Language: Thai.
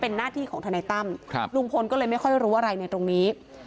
เป็นหน้าที่ของทนายตั้มลุงพลก็เลยไม่ค่อยรู้อะไรในตรงนี้